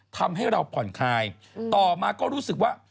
ทำให้เราผ่อนคลายต่อมาก็รู้สึกว่า